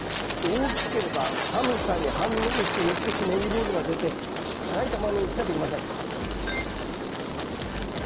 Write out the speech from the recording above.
大きければ寒さに反応してよくとしネギ坊主が出てちっちゃいタマネギしかできません。